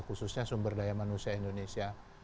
khususnya sumber daya manusia indonesia